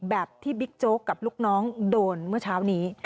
แบบที่บิ๊กโจ๊กกับลูกน้องโดนเมื่อเช้านี้